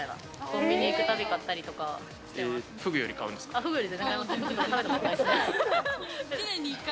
コンビに行くたび買ったりとかしフグより買うんですか？